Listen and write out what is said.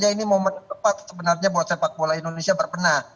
ini momen tepat sebenarnya buat sepak bola indonesia berbenah